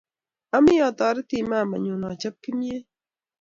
Ami atoreti kamenyu achop kimnyet